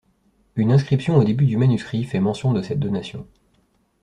Une inscription au début du manuscrit fait mention de cette donation.